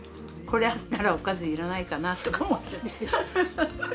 これあったらおかずいらないかなとか。